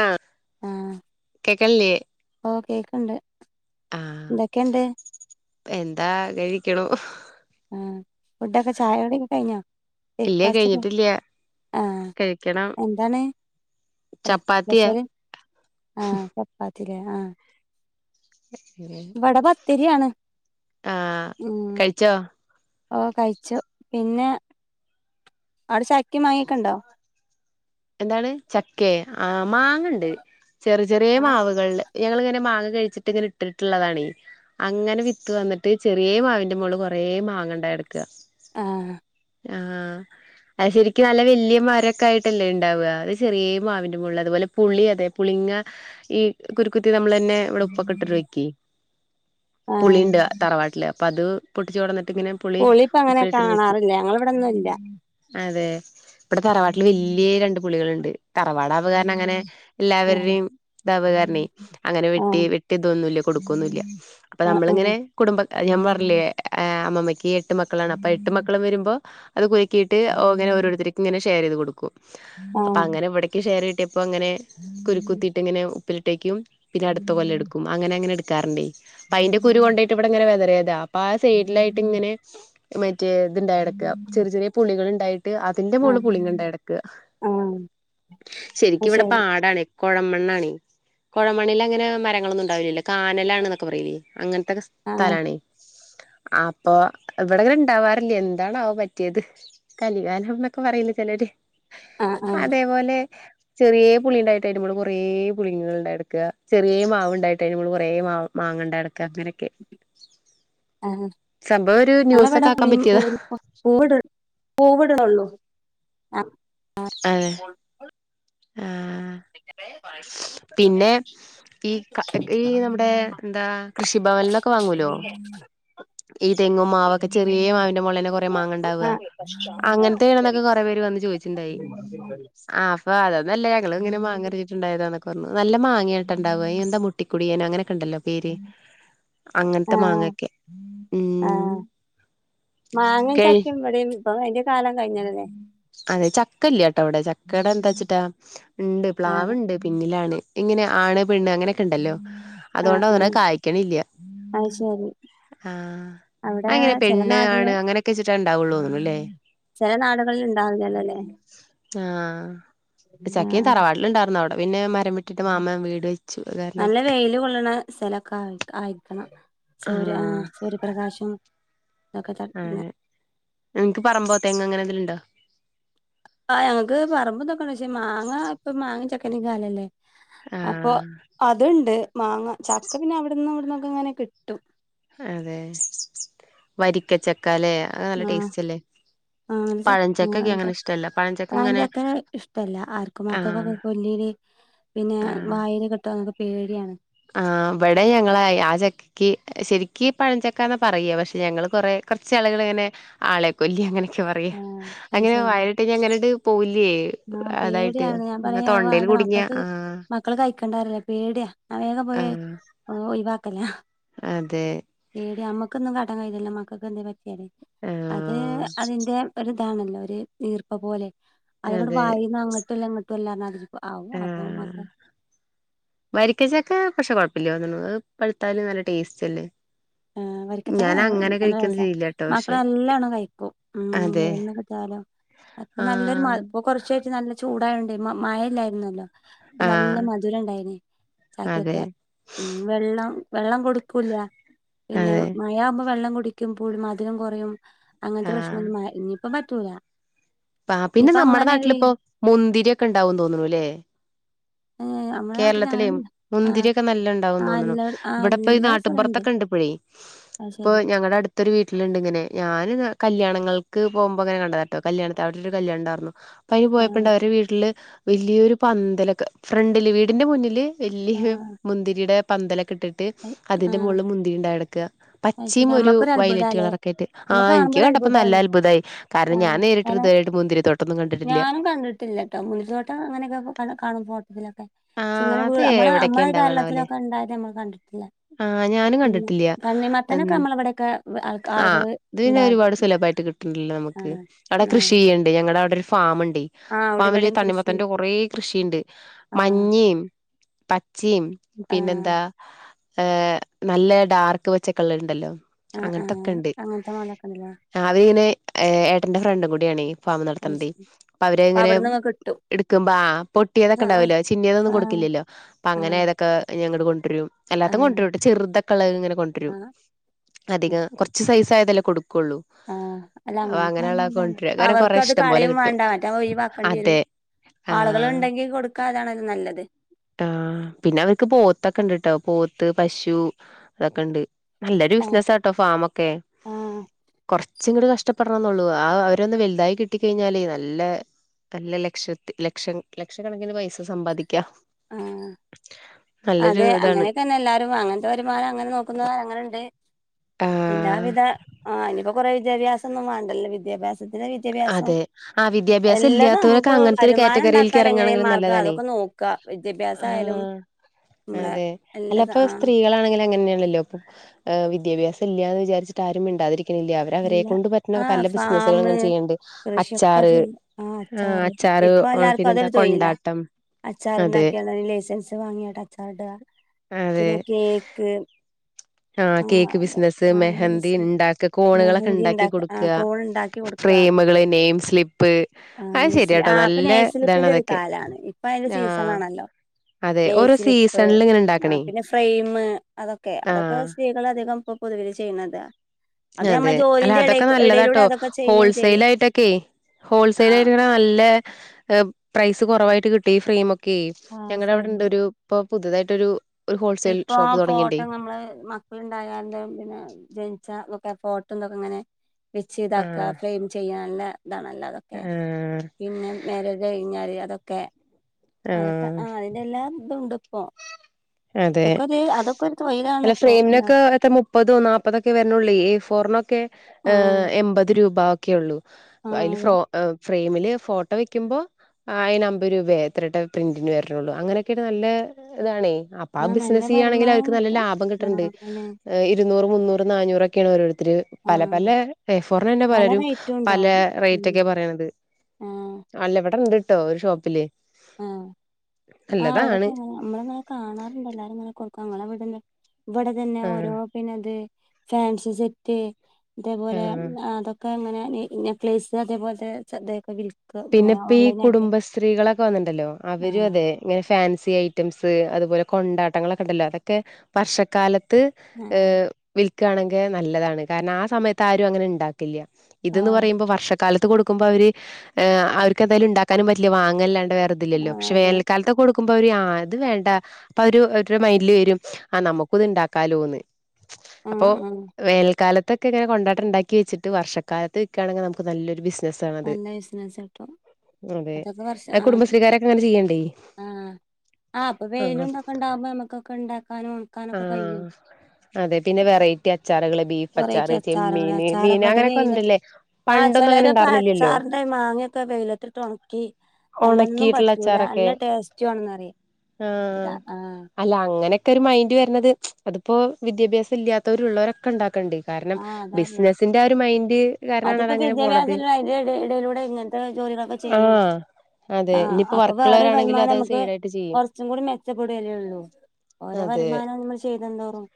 ആഹ് കേക്കണില്യെ ഓഹ് കേക്കണ്ട് ആഹ് എന്തൊക്കെയുണ്ട് എന്താ കഴിക്കണു ആഹ് ഫുഡൊക്കെ ചായ കുടിക്കകയിഞ്ഞോ ഇല്ല ബ്രേക്ക്ഫാസ്റ്റ് ഒക്കെ കഴിഞ്ഞിട്ടില്ല ആഹ് കഴിക്കണം എന്താണ് ചപ്പാത്തിയാ [unintelligible] ആഹ് ചപ്പാത്തിയില്ലെ ആഹ് [inaudible] ഇബടെ പത്തിരിയാണ് ആഹ് ഉം കഴിച്ചോ ഓഹ് കഴിച്ചു പിന്നെ അടെ ചക്കെം മാങ്ങേക്കൊണ്ടോ എന്താണ് ചക്കെ ആഹ് മാങ്ങണ്ട് ചെറു ചെറിയ ആഹ് മാവുകളില് ഞങ്ങളിങ്ങനെ മാങ്ങ കഴിച്ചിട്ട് ഇങ്ങനെ ഇട്ടിട്ടുള്ളതാണീ അങ്ങനെ വിത്ത് വന്നിട്ട് ചെറിയെ മാവിന്റെ മോള് കൊറേ മാങ്ങ ണ്ടായി എടക്ക് ആഹ് ആഹ് അത് ശരിക്ക് നല്ല വല്യ മരോക്കായിട്ടല്ലേ ഉ ണ്ടാവുക ഇത് ചെറിയെ മാവിന്റെ മോളില് അതുപോലെ പുളി അതെ പുളിങ്ങ ഈ കുരുക്കുത്തി നമ്മളന്നെ ഇവിടെ ഉപ്പൊക്കെട്ടിട്ട് വെക്കി ആഹ് പുളിണ്ട് തറവാട്ടില് അപ്പ അത് പൊട്ടിച്ചോടന്നിട്ട് ഇങ്ങനെ പുളി ഇപ്പ അങ്ങനെ ഉപ്പിലിട്ട് ഇത് വെക്കും കാണാറില്ല ഞങ്ങളിവിടൊന്നും ഇല്ല അതെ ഇബടെ തറവാട്ടില് വല്യെ രണ്ട് പുളികളുണ്ട് തറവാട് അത്കരണം അങ്ങനെ ആഹ് എല്ലാവരുടെയും തപ്കാരിണി അങ്ങനെ വെട്ടി ആഹ് വെട്ടി ഇതൊന്നുല്ല കൊടുക്കോന്നുല്യി അപ്പൊ ആഹ് നമ്മളിങ്ങനെ കുടുംബക്ക ഞാൻ പറഞ്ഞില്ലേ അമ്മമ്മയ്ക്ക് എട്ട് മക്കളാണ് അപ്പൊ എട്ട് മക്കളും വരുമ്പോ അത് കുരുക്കിയിട്ട് ഓ അങ്ങനെ ഓരോരുത്തരക്കും ഇങ്ങനെ ഷെയർ ചെയ്ത് കൊടുക്കും ആഹ് അപ്പ ആഹ് അങ്ങനെ ഇവിടേക്കും ഷെയർ കിട്ടി അപ്പം അങ്ങനെ കുരുക്കുത്തിയിട്ട് ഇങ്ങനെ ഉപ്പിലിട്ടേക്കും പിന്നെ അടുത്ത കൊല്ലം എടുക്കും അങ്ങനെ അങ്ങനെ എടുക്കാറുണ്ടേ അപ്പ അയിന്റെ കുരു കൊണ്ടയിട്ട് ഇവിടെ ഇങ്ങനെ വതറിയതാ അപ്പൊ ആ സൈഡിലായിട്ട് ഇങ്ങനെ മറ്റേ ഇത്ണ്ടായടക്ക ചെറിയ ചെറിയ പുളികള് ണ്ടായിട്ട് അതിന്റെ മോളില് ആഹ് പുളിങ്ങ ണ്ടായടക്ക ആഹ് അത് ശരിക്കും ഇവിടെ ശരി പാടാണ് കോഴമണ്ണാനെ കൊഴമണ്ണിൽ അങ്ങനെ മരങ്ങളൊന്നും ഉണ്ടാവില്ലില്ല കാനലാണ് എന്നൊക്കെ പറയിലേ അങ്ങനത്തെൊക്കെ ആഹ് തലണ അപ്പൊ ഇവിടെങ്ങനെ ഇണ്ടാവാറില്ലേ എന്താണാവോ പറ്റിയത് കലികാലം എന്നൊക്കെ പറയില്ലേ ചെലര് ആഹ് ആഹ് അതേപോലെ ചെറിയേ പുളിണ്ടായിട്ട് അയിന്റെമോള് കൊറേ പുളിങ്ങള് ണ്ടായടക്ക ചെറിയേ മാവ്ണ്ടായിട്ട് അയിന്റെമോള് കുറേ മാവ് മാങ്ങണ്ടടക്ക അങ്ങനൊക്കെ ആഹ് സംഭവം ഒരു ന്യൂസൊക്കെ ഞങ്ങളിവിടെ ആക്കാൻ പുളി പറ്റിയതാ പുളി പൂവിട പൂവിടണൊള്ളൂ ആഹ് അതെ ആ [unintelligible] പിന്നെ ഈ ക്ക ഈ നമ്മുടെ എന്താ കൃഷി ഭവനിന്നൊക്കെ വാങ്ങൂലോ ഉ ഈ തെങ്ങും മാവൊക്കെ ചെറിയ മാവിന്റെ മോളിലന്നെ കൊറേ മാങ്ങ ഉണ്ടാവുക [inaudible] അങ്ങനത്തെ വേണന്നൊക്കെ [inaudible] ആഹ് അപ്പ അതന്നല്ല ഞങ്ങള് ഇങ്ങനെ മാങ്ങ എറിഞ്ഞിട്ടുഇണ്ടാതനൊക്കെ പറഞ്ഞു നല്ല മാ ങ്ങട്ട ണ്ടാവ എന്താ മുട്ടികുടിയനോ അങ്ങനൊക്കെ ഉണ്ടല്ലോ പേര് അങ്ങനത്തെ ആഹ് മാങ്ങൊക്കെ ഉം ആഹ് മാങ്ങേ കഴി ചക്കേം ഇവിടെയാണ് അപ്പൊ അതിന്റെ കാലം കഴിഞ്ഞതല്ലേ അതെ ചക്കയില്ലാട്ടോ ഇവിടെ ചക്കടെ എന്താച്ചിട്ടാ ഇണ്ട് ആഹ് പ്ലാവ്ണ്ട് പിൻ ന്നിലാണ് ഇങ്ങനെ ആണ് പെണ്ണ് അങ്ങനെയൊക്കെ ഇണ്ടല്ലോ ആഹ് അതുകൊണ്ടാ തോനണ് ആഹ് അത് കായ്ക്കണില്ലാ അത് ശരി ആഹ് അത് അവിടെ അങ്ങനെ ചില പെണ്ണ് ആണ് നാടില് അങ്ങനെയൊക്കെച്ചിട്ടാ ഇണ്ടാവുള്ളൂന്ന് തോനണൂല്ലേ ചെല നാടുകളിൽ ഇണ്ടാവൂലല്ലോലേ ആഹ് ഉം ചക്കയും ആഹ് തറവാടില് ഇണ്ടാർന്നു അവിടെ പിന്നെ മരം വെട്ട് വെട്ടിട്ട് മാമൻ വീട് വെച്ചു അത് കാരണം നല്ല വെയില് കൊള്ളണ സ്ഥലൊക്കെ ആയി ആയിരിക്കണം സൂര്യ ആഹ് സൂര്യപ്രകാശം ഇതൊക്കെ തട്ടുന്ന അങ്ങനെ ഇങ്ങക്ക് പറമ്പോ തെങ്ങോ അങ്ങനെ എന്തെലും ഉണ്ടോ? ആഹ് ഞങ്ങക്ക് പറമ്പും ഇതൊക്കെണ്ട് പക്ഷേ മാങ്ങാ ഇപ്പൊ മാങ്ങ ചക്കൻ്റെ കാലല്ലേ അപ്പൊ ആഹ് അതുണ്ട് മാങ്ങ ചക്ക പിന്നെ അവിടുന്നും ഇവിടുന്നൊക്കെ ഇങ്ങനെ കിട്ടും അതെ വരിക്കച്ചക്കാല്ലേ അത് നല്ല ആഹ് ടേസ്റ്റല്ലേ ആഹ് ചക്ക് [unintelligible] പഴഞ്ചക്ക പഴം ഇങ്ങനെ ചക്ക ഇഷ്ട്ടല്ല ആർക്കും ആഹ് മക്കക്കൊക്കെ കൊല്ലീല് പിന്നെ ആഹ് വായില് കെട്ടോന്നൊക്കെ പേടിയാണ് ആഹ് ഇവടെ ഞങ്ങളായി ആ ചക്ക് ക്ക് ശരിക്ക് പഴഞ്ചക്കാന്നാ പറയാ പക്ഷെ ഞങ്ങള് കൊറെ കൊറച്ച് ആളുകൾ ഇങ്ങനെ ആളെ കൊല്ലി അങ്ങനെയൊക്കെ പറയാ ആഹ് അത് അങ്ങനെ ശരി വായിലിട്ട് അങ്ങനാട്ട് പോവില്ലേ ആഹ് അതായിട്ട് പേടിയാണ് അ തൊണ്ടല് കുടുങ്ങിയാ ആഹ് മക്കൾ കഴിക്കണ്ടരല്ലേ പേടിയാ അവ വേഗം പോയി ആഹ് ഒഴിവാക്കലാ അതെ പേടിയാ അമ്മക്കൊന്നും കാട്ടാൻ കയില്ലല്ലോ മക്കക്ക് എന്തേ പറ്റിയാല് ആഹ് അത് അതിന്റെ ഒരിതാണല്ലോ ഒരു ഈർപ്പ പോലെ അതങ്ങോട്ട് അതെ വായിന്ന് അങ്ങോട്ടും അല്ല ഇങ്ങട്ട് ല്ലാമാതിരി ആഹ് വരിക്കച്ചക്കാ പക്ഷേ കൊഴപ്പയില്ലാ തോനുന്നു അത് പഴുത്താലും നല്ല ടേസ്റ്റ് അല്ലേ വരിക്കച്ചക്ക ഞാൻ അങ്ങനെ നല്ല കഴിക്കൊന്നും രസാ ചെയ്യില്ല മക്കള് നല്ലണം കഴിക്കും ഉം അതെ എവിടെന്ന് കിട്ടിയാലും അപ്പൊ നല്ലൊരു മ ആഹ് ഇപ്പൊ കൊറച്ചായിറ്റ് നല്ല ചൂടായോണ്ടെ മഴ ഇല്ലായിരുന്നല്ലോ അപ്പം നല്ല ആഹ് മധുര ഇണ്ടായിനി അതെ ചായക്കൊക്കെ ഉം വെള്ളം വെള്ളം കൊടുക്കൂല്ല പിന്നെ അതെ മയ ആകുമ്പോ വെള്ളം കുടിക്കുമ്പോ മധുരം കൊറയും അങ്ങനത്തെ ആഹ് പ്രശ്നൊന്നും മ ഇനി ഇപ്പം പറ്റൂലാ പാ പിന്നെ നമ്മടെ നാട്ടിലിപ്പോ മുന്തിരിയൊക്കെ ഇണ്ടാവൂന്ന് തോന്നുണു ല്ലേ ഏഹ് ആ കേരളത്തിലെ മുന്തിരിയൊക്കെ നല്ല ഇണ്ടാവൂന്ന് ആഹ് തോന്നണു എല്ലാ ആഹ് ഇവിടെപ്പോ ഈ എല്ലാ സ്ഥലണ്ട് നാട്ടുപുറത്തൊക്കെ ഇണ്ട് ഇപ്പഴേ അത് ഇപ്പോ ശരി ഞങ്ങടെ അടു ത്തൊരു വീട്ടിലുണ്ട് ഇങ്ങനെ ഞാന് കല്യാണങ്ങൾക്ക് പോവുമ്പോ ഇങ്ങനെ കണ്ടതാട്ടോ കല്യാണത്ത് അവിടൊരു കല്യാണം ഇണ്ടാർന്നു യിന് പോയപ്പണ്ട് ആഹ് അവരെ വീട്ടില് വെല്യോരു പന്തലൊക്കെ ഫ്രണ്ടില് വീടിന്റെ മുന്നില് വെല്യ ആഹ് മുന്തിരിയുടെ പന്തലൊക്കെ ഇട്ടിട്ട് അതിന്റെ ആഹ് മുകളില് മുന്തിരി ഉണ്ടായേക്കാ അത് ശരി പച്ചിയും ഒരു നമ്മക്കൊരു വയലറ്റ് അത്ഭുതാല്ലേ കളറൊക്കെ ആയിട്ട് നമ്മക്ക് ആഹ് എനിക്ക് കാണുമ്പോ ഒരു കണ്ടപ്പോ അത്ഭുതാണ് നല്ല അത്ഭുതമായി കാരണം ഞാൻ ആഹ് നേരി [unintelligible] കാരണം ഇതുവരെ ആയിട്ട് മുന്തിരി തോട്ടൊന്നും കണ്ടിട്ടില്ല ട്ടില്ല്യാട്ടോ മുന്തിരിത്തോട്ടം അങ്ങനെയൊക്കെ ക കാണും ഫോട്ടോത്തിലൊക്കെ ക്ഷെ ആഹ് ഇങ്ങനെ അത് [unintelligible] നമ്മളെ എവിടൊക്കെ നമ്മളെ ഈ ഉണ്ടാവാണാവല്ലേ കേരളത്തിലൊക്കെ ഇണ്ടായത് അമ്മള് കണ്ടിട്ടില്ല ആഹ് ഞാനും പിന്നെ കണ്ടിട്ടില്യ തണ്ണിമത്തനൊക്കെ ഹ്മ്മ്, നമ്മളെ ഇവിടെയൊക്കെ ആഹ് ആളുകള് ഇത് പിന്നെ ഉണ്ടാ ഒരുപാട് സുലഭമായിട്ട് കിട്ട്ണ്ടല്ലോ നമുക്ക് ആഹ് അവിടെ ആഹ് കൃഷി ചെയ്യ്ണ്ടേ, ഞങ്ങളവിടെ ഒരു ഫാമ്ണ്ടേ ആഹ് അവിടെ ഫാമില് ഇവിടെയും കൃഷി തണ്ണിമത്തന്റെ കൊറേ കൃഷിയ്ണ്ട്. ആഹ് മഞ്ഞിമ് പച്ചിം ആഹ് പിന്നെന്താ ഏഹ് നല്ല ഡാർക്ക് പച്ചക്കളറ്ണ്ടല്ലോ ആഹ് ആഹ് അങ്ങനത്തൊക്കെണ്ട്. അങ്ങനത്തെ മോലൊക്കെ ഉണ്ടല്ലേ [unintelligible] ഏഹ് ഏട്ടന്റെ ഫ്രണ്ടും കൂടിയാണേ ഫാമ് അത് നടത്ത്ണതേ ശരി അപ്പ അപ്പൊ അവരിങ്ങനെ അവിടന്നൊക്കെ കിട്ടും ഇടുക്കുമ്പ ആഹ് പൊട്ടിയതൊക്കെ ആഹ് ഇണ്ടാവല്ലോ ചിങ്ങിയതൊന്നും ആഹ് കൊടുക്കില്ലല്ലോ അപ്പ അങ്ങനെ ആഹ് അത ക്കെ ഞാൻ ഇങ്ങട്ട് കൊണ്ടരും അല്ലാത്തും ആഹ് കൊണ്ടരുട്ടോ ചെറുതക്കള്ളത് ഇങ്ങനെ കൊണ്ടരും ആഹ് അധികം കൊറച്ച് സൈസായതല്ലേ കൊടുക്കൊള്ളൂ ആഹ് അല്ല അങ്ങനെയൊക്കെയാവുമ്പോ കാരണം കൊറെ അവർക്കത് ഇഷ്ടം പോലെ കളയും കിട്ടും വാണ്ടാ മറ്റേ നമ്മൾ ഒഴിവാക്കേണ്ടിയരും അതെ ആഹ് ആളുകള്ണ്ടെങ്കി കൊടുക്കാ അതാണല്ലോ നല്ലത് ആഹ് പിന്നെ അവർക്ക് പോത്തൊക്കെ ഇണ്ട്ട്ടോ പോത്ത്, പശു അതൊക്കെണ്ട്. നല്ലൊരു ആഹ് ബിസിനസ്സാട്ടോ ഫാമൊക്കെ ആഹ് കൊറച്ച്ങ്ങട്ട് കഷ്ട പ്പെടണന്നൊള്ളൂ, ആഹ് അവരൊന്ന് വലുതായി കിട്ടി കഴിഞ്ഞാല് നല്ല നല്ല ലക്ഷത്തി ലക്ഷം ലക്ഷക്കണക്കിന് പൈസ സമ്പാദിക്കാം. ആഹ് [inaudible] നല്ലൊരു ഇതാണ്. അങ്ങനന്നെ എല്ലാരും അങ്ങൻത്തെ വരുമാനം അങ്ങനെ നോക്കുന്നോർ അങ്ങനെ ഇണ്ട് ആഹ് എല്ലാ വിധ ആഹ് അയിനിപ്പ കൊറേ വിദ്യാഭ്യാസൊന്നും വാണ്ടല്ലേ വിദ്യഭ്യാസം അതെ. ആഹ് വിദ്യാഭ്യാസം എല്ലതും ഇല്ലാത്തോലൊക്കെ നമുക്ക് അങ്ങൻത്തൊരു വരുമാനം ക്യാറ്റഗറിയിൽക്ക് ഉണ്ടാക്കാൻ എങ്ങനെ എറങ്ങാണെങ്കിലും മാർഗം നല്ലതാണെ അതൊക്കെ നോക്ക വിദ്യാഭ്യാസം ആയാലും ആഹ് നമ്മളെ അതെ എല്ലതും അല്ലപ്പ ആഹ് സ്ത്രീകളാണെങ്കിലും അങ്ങനെന്നേണല്ലോ ആഹ് വിദ്യാഭ്യാസം ഇല്ലാന്ന് വിചാരിച്ചിട്ടാരും മിണ്ടാതിരിക്കുന്നില്ല. അവര് അവരെ ഇല്ല കൊണ്ട് പറ്റുന്ന ആഹ് പല ബിസിനസ്കള് ഫാമ് ചെയ്യണ്ട്. അച്ചാറ് ആഹ് അച്ചാറ് പിന്നെന്താ കൊണ്ടാട്ടം അതെ അച്ചാറ്ണ്ടാക്കിയാണ്ട് അയിന് ലൈസൻസ് വാങ്ങിയാട്ട് അച്ചാറിടാ. അതെ പിന്നെ കേക്ക് ആ ആഹ് കേക്ക് അതെ ബിസിനസ് ആഹ് മെഹന്തി [unintelligible] ഉണ്ടാക്ക കോണുകളൊക്കെ മെഹന്തി ഉണ്ടാക്കി ഇണ്ടാക്കാ ആഹ് കൊടുക്കുക കോൺ ഇണ്ടാക്കി കൊട് ക്കാ, ഫ്രെയിമുകള് നെയിം സ്ലിപ്പ് ആഹ് അത് നെയ്സി ശരിയാട്ടോ ആഹ് ഇപ്പ നല്ല ഇതാണ് നെയ്സ്ലിപ്പിന്റെ ഒരു അതൊക്കെ കാലാണ് ഹ്മ്മ് ഇപ്പയിന്റെ ആ സീസണാണല്ലോ അതെ ഓരോ സീസൻലിങ്ങനെ ഇണ്ടാക്കണേ ഫ്രെയിമ് അതൊക്കെ, അതൊക്കെ സ്ത്രീകളധികം ഇപ്പൊ പൊതുവില് ചെയ്യ്ണതാ അതെ, അല്ല അതൊക്കെ ഇടയിലൂടെ നല്ലതാട്ടോ അതൊക്കെ ചെയ്യും ചെയ്യ ഹോൾസെയ്ലായിട്ടൊക്കെ ആ ഹോൾസെയ്ലായിട്ടിങ്ങനെ നല്ലെ ഏഹ് പ്രൈസ് കൊറവായിട്ട് കിട്ടി ഈ ഫ്രെമൊക്കെ ആ ഞങ്ങടെ ഫ്രെയിമിന് ഇവടെണ്ടൊരു ഇപ്പൊ പുതുതായിട്ടൊരു ഒരു ഹോൾസെയിൽ ഷോപ്പ് ഇപ്പം തുടങ്ങിണ്ടേ ഫോട്ടം നമ്മള് മ മക്കള്ണ്ടായാണ്ട് പിന്നെ ജനിച്ചാ ഇതൊക്കെ ഫോട്ടും ഇതൊക്കെങ്ങനെ വെച്ച് ഇതാക്കാ ആഹ് ഫ്രെയിം ചെയ്യാ നല്ല ഇതാണല്ലോ അതൊക്കെ ആഹ് പിന്നെ മേരേജ് കഴിഞ്ഞാല് അതൊക്കെ, അതൊക്കെ ആഹ് അതിന്റെ എല്ലാ ഇതുണ്ട്പ്പം അതെ. തൊഴിലാണ് അല്ല ഇപ്പൊ ഫ്രെയിമിനൊക്കെ എല്ലാർക്കും എത്ര മു മുപ്പതോ നാല്പ്പതൊക്കെ വര്ണൊള്ളേ എ ഫോറിനൊക്കെ ആഹ് ഏഹ് എൺപത് രൂപ ഒക്കെ ഒള്ളൂ ആഹ് അതില് ഫ്രോ ഫ്രെയിമില് ഫോട്ടോ വെക്കുമ്പോ ആഹ് അയിന് അമ്പത് രൂപ എത്രട്ടാ പ്രിന്റിന് വര്ണൊള്ളൂ അങ്ങനൊക്കൊരു നല്ല ഇതാണേ അപ്പ ആ അതെ ആഹ് നല്ല ബിസിനസ്സ് ചെയ്യാണെങ്കിലും വരുമാനം അവർക്ക് നല്ല കിട്ടും ലാഭം ആഹ് കിട്ട്ണ്ട്. അല്ലെ ഏഹ് ഇരുന്നൂറ്, മുന്നൂറ് നാന്നൂറൊക്കെയാണ് ഓരോരുത്തര് പല ആഹ് പലെ എഫോറിനന്നെ പല പലരും റേറ്റും പല ഉണ്ടാവും ഉം റേറ്റക്കെ പറയ്ണത്. ആഹ് അല്ല ഇവിടെ ഉണ്ട് ട്ടോ ഒരു ഷോപ്പിൽ ആ, ആ അവിടെക്കങ്ങനെ നമ്മളങ്ങനെ കാണാറുണ്ടല്ലോ എല്ലാവരുംങ്ങനെ കൊടുക്കും അങ്ങനെ വിടെ ഇവിടെ തന്നെ ആഹ് ഓരോ പിന്നെത് ഫാൻസി സെറ്റ് അതേപോലെ ആഹ് അതൊക്കെ അങ്ങനെ ന്നേക്ലിസ് അതേപോലെ ചെറുതായ്യൊക്കെ വിൽ പിന്നെപ്പി ഈ കുടുംബ സ്ത്രീകളൊക്കെ വന്നിണ്ടല്ലോ, അവരും ആഹ് അതെ ഇങ്ങനെ ഫാൻസി ഐറ്റംസ് അതുപോലെ കൊണ്ടാട്ടങ്ങളൊക്കെ ഉണ്ടല്ലോ അതൊക്കെ വർഷക്കാലത്ത് ഏ, ആഹ് വിൽക്കണെങ്കിൽ നല്ലതാണ് കാരണം ആ സമയത്ത് ആരും അങ്ങനെ ഉണ്ടാക്കില്ല. ഇതന്ന് ആഹ് പറയുമ്പോ വർഷക്കാലത്ത് കൊടുക്കുമ്പോ അവര് അവർക്ക് എന്തായാലും ഉണ്ടാക്കാനും പറ്റില്ല വാങ്ങല്ലാണ്ട് വേറെ ഇതുലെല്ലോ ആഹ് പക്ഷെ അതെ വേനൽ കാല ത്ത് കൊടുക്കു മ്പ ഇവര്ആ ഇ ത് വേണ്ട അപ്പോ അവര് അവരുടെ മൈയിന്റ്റിൽ വരും ആ നമുക്ക് ഇത് ഇണ്ടാക്കാലോന്ന്. ആഹ് അപ്പോ ആഹ് വേന ൽക്കാലത്ത് ഇതക്കെങ്ങെ നെയ് കൊണ്ടട്ടുണ്ടാക്കി വച്ചിട്ട് വർഷക്കാലത്ത് വിക്കണ്ണാങ്കി നമ്മുക്ക് നല്ലൊരു ബിസ് നല്ല ബിസിനസ അതെ ആ കുടുംബശ്രീകാരൊക്കെ അങ്ങനെ ചെയ്യണ്ടേ ആ, ഇപ്പോ വെയിലും ഇതൊക്കെ ഉണ്ടാകുമ്പോ നമക്കൊക്കെ ഉണ്ടാക്കാനും ആ, ഉണക്കാനൊക്കെ കഴിയും അതെ പിന്നെ വെറൈറ്റി അച്ചാറുകൾ ബീഫ് വെറൈറ്റി അച്ചാറ്, അച്ചാറുകൾ ചെമ്മീന്, മീൻ, അച്ചാറൊക്കെട്ട് അങ്ങനെയൊക്കെ ഇണ്ട്ലേ പണ്ടൊന്നുംങ്ങനെ ഉണ്ടായിരുന്നില്ല. അച്ചാറിന്റെയ് മാങ്ങയൊക്കെ വെയിലത്തിട്ട് ഉണക്കി നല്ലതൊന്നും ഉണക്കിയിട്ടുള്ള പറ്റൂല, നല്ല അച്ചാറൊക്കെ ടേസ്റ്റ് വേണംന്ന് പറയും ആഹ് ആ. അല്ല അങ്ങനെയൊക്കെ ഒരു മൈന്റ വരണത് അതിപ്പോ വിദ്യാഭ്യാസം ഇല്ലാത്തവരുള്ളവരൊക്കെ ഉണ്ടാക്കണ്ട്. കാരണം ആഹ് അതാറിഞ്ഞെ ബിസിനസിന്റെ ഒരു മൈൻഡ് കാരണണ അത അതിപ്പോ അങ്ങനെ പോണത്. വിദ്യാഭ്യാസല്ല അതിന്റെ ഇട- ഇടയിലൂടെ ആ. ആ, അപ്പോ വേറൊരു വരുമാനം നമുക്ക് സൈഡ് ആയിട്ട് ചെയ്യും കുറച്ചും കൂടി മെച്ചപ്പെടലേ ഉള്ളൂ. ഓരോ അതെ വരുമാനവും നമ്മൾ ചെയ്ത എന്തോറും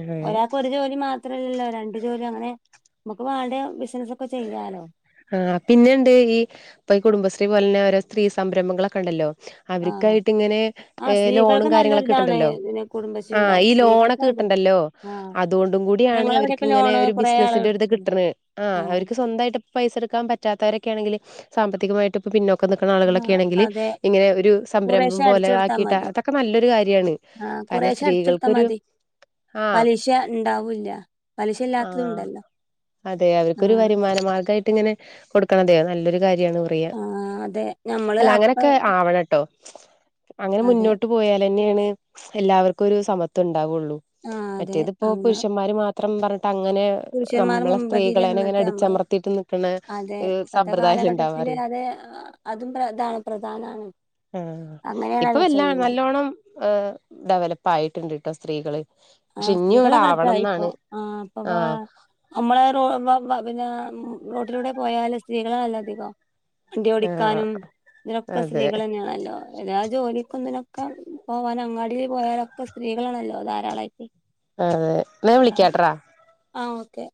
അതെ ഒരാൾക്ക് ഒരു ജോലി മാത്ര അത്രല്ലല്ലോ രണ്ടു ജോലിും അങ്ങനെ നമുക്ക് വാണ്ട ബിസിനസ്സ് ഒക്കെ ചെയ്യാലോ ആ, പിന്നെണ്ട് ഈ ഇപ്പോ ഈ കുടുംബശ്രീ പോലെ ഉള്ള ഓരോ സ്ത്രീ സംരംഭങ്ങളൊക്കെ ഉണ്ടല്ലോ ആഹ് അവർക്കായിട്ട് ഇങ്ങനെ ആഹ് ലോണും സ്ത്രീകൾക്ക് കാര്യങ്ങളൊക്കെ നല്ലൊരിതാണ് കിട്ടണ്ടല്ലോ, ഇതിന് കുടുംബശ്രീ ആ, ഉണ്ടായ ഈ ലോണൊക്കെ സ്ത്രീകൾക്കാണത് കിട്ടണ്ടല്ലോ ആഹ് അതുകൊണ്ടും കൂടിയാണ് അവർക്ക് ഞങ്ങളവിടെയൊക്കെ ഇങ്ങനെ ലോണ് ഒരു കൊറേ ആള് ബിസിനസ്സിന്റെ ഒരിത് എടുത്ത്ണ് കിട്ടണുന്നത് ആ ആഹ് അവർക്ക് സ്വന്തമായിട്ട് പൈസ എടുക്കാൻ പറ്റാത്തവരൊക്കൊണെങ്കിൽ സാമ്പത്തികമായിട്ട് ഇപ്പ പിന്നോക്ക നിൽക്കണആളുകളൊക്കെ ആഹ് ആണെങ്കിൽ അതെ ഇങ്ങനെ ഒരു സംരംഭം കുറേശ്ശെ പോലെ ആക്കിയിട്ട അതൊക്കെ നല്ലൊരു കാര്യമാണ്. ആ, കുറെശേ അടുച്ചടുത്താ മതി. ആഹ് പലിശ ഉണ്ടാവൂല്ല, പലിശ ഇല്ലാത്തതും ആഹ് ഉണ്ടല്ലോ. അതെ അവർക്കൊരു വരുമാന മാർഗ്ഗമായിട്ട് ഇങ്ങനെ കൊടുക്കണത് അതെ നല്ലൊരു കാര്യമാണ്. ആഹ് അതെ ഞമ്മള് അല്ല അപ്പ അങ്ങനെയൊക്കെ ആവണംട്ടോ. അങ്ങനെ അതെ മുന്നോട്ട് പോയാൽ ന്നെയാണ് എല്ലാവർക്കും ഒരു സമത്വം ഉണ്ടാവുള്ളൂ. ആഹ് അതെ മറ്റേതിപ്പോ അങ്ങ് പുരുഷന്മാര് മാത്രം പറഞ്ഞിട്ട് അങ്ങനെ പുരുഷന്മാർ നമ്മളെ മുമ്പതിൽ സ്ത്രീകളേനെ അങ്ങനെ നിന്നിട്ട് നമ്മള് അടിച്ചമർത്തിയിട്ട് നിക്കണ അതെ ഒരു ഇപ്പത്തെ സമ്പ്രദായല്ലേ കാലഘട്ടത്തിൽ ഉണ്ടാവാറ് അത് അതും ഇതാണ് പ്രധാനമാണ്. ആ, ഇപ്പ എല്ലാം നല്ലോണം ഇപ്പം ഡെവലപ്പ ആയിട്ടുണ്ട് കേട്ടോ സ്ത്രീകൾ- ആഹ് ശ്രീകലാപുരത്ത [unintelligible] ഇപ്പൊ ആഹ് അപ്പൊവാ ആഹ് [unintelligible] നമ്മളെ പിന്നെ റോട്ടിലൂടെ പോയല് സ്ത്രീകള നല്ല അധികം. വണ്ടി ആഹ് ഓടിക്കാനും ഇതിലൊക്കെ അതെ സ്ത്രീകൾ തന്നെയാണല്ലോ എല്ലാ ജോലിക്കിക്കെന്നതിനൊക്കെ പോവാൻ അങ്ങാടി പോയാലൊക്കെ സ്ത്രീകളാണല്ലോ ധാരാളമായിട്ട് അതെ ന്നാഞാ വിളിക്ക്യട്ട്റാ ആഹ് ഓക്കെ